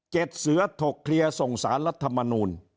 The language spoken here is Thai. เจ็ดเสือโถคเคลียร์ส่งสารรัฐมนูน